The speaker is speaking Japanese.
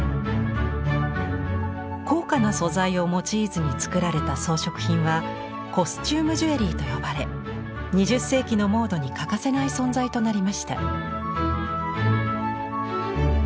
高価な素材を用いずに作られた装飾品は「コスチュームジュエリー」と呼ばれ２０世紀のモードに欠かせない存在となりました。